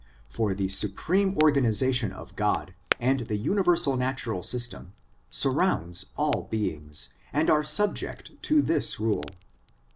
For the supreme organisation of God, and the universal natural system, surrounds all beings, and all are subject to this rule.